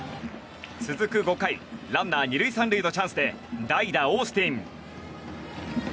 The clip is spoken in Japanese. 続く５回、ランナー２塁３塁のチャンスで代打オースティン。